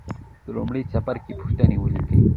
د لومړي څپرکي پوښتنې ولیکئ.